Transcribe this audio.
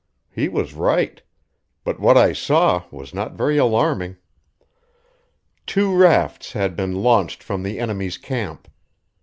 He was right; but what I saw was not very alarming. Two rafts had been launched from the enemy's camp.